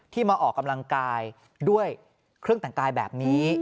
มาออกกำลังกายด้วยเครื่องแต่งกายแบบนี้